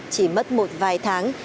chỉ mất một vài tháng